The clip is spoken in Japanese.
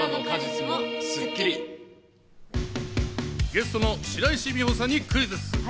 ゲストの白石美帆さんにクイズッス。